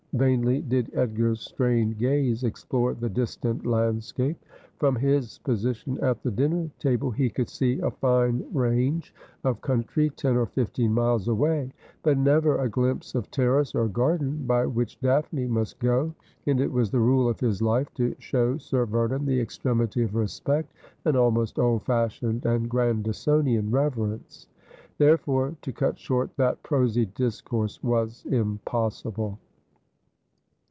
Vainly did Edgar's strained gaze explore the distant landscape. From his position at the dinner table, he could see a fine range of country ten or fifteen miles away ; but never a glimpse of terrace or garden by which Daphne must go. And it was the rule of his life to show Sir Vernon the extremity of respect, an almost old fashioned and Grandisonian r^erence. Therefore to cut short that prosy discourse was impossible.